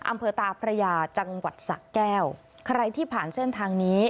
อำเภอตาพระยาจังหวัดสะแก้วใครที่ผ่านเส้นทางนี้